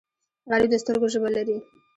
غریب د سترګو ژبه لري